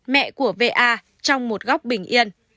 mẹ của va trong một góc bình yên